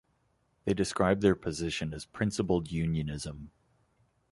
They described their position as principled unionism.